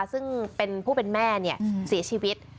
ซึ่งเป็นผู้เป็นแม่เสียชีวิต